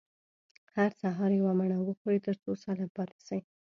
هر سهار يوه مڼه وخورئ، تر څو سالم پاته سئ.